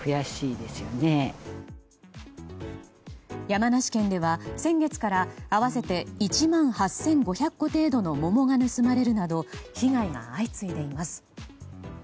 山梨県では先月から合わせて１万８５００個程度の桃が盗まれるなど被害が相次いでいます。